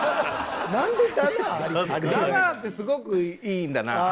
「だなぁ」ってすごくいいんだなぁ。